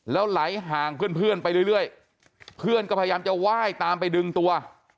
แล้วไหลห่างเพื่อนไปเรื่อยเพื่อนก็พยายามจะไหว้ตามไปดึงตัว